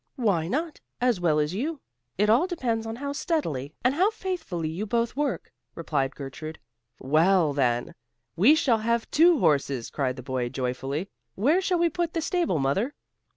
"Why not, as well as you. It all depends on how steadily and how faithfully you both work," replied Gertrude. "Well, then, we shall have two horses," cried the boy, joyfully. "Where shall we put the stable, mother?"